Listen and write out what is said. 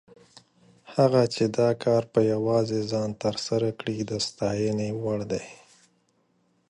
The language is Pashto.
هغه چې دا کار په یوازې ځان تر سره کړی، د ستاینې وړ دی.